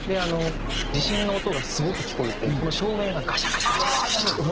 地震の音がすごく聞こえて照明がガシャガシャガシャガシャガシャ！